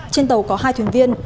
trên tàu có hai thuyền viên